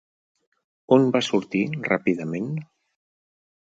On va sortir ràpidament?